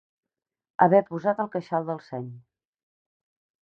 Haver posat el queixal del seny.